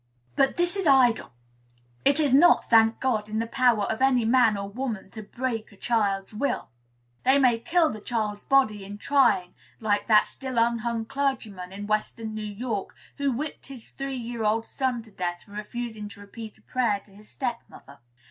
But this is idle. It is not, thank God, in the power of any man or any woman to "break" a child's "will." They may kill the child's body, in trying, like that still unhung clergyman in Western New York, who whipped his three year old son to death for refusing to repeat a prayer to his step mother.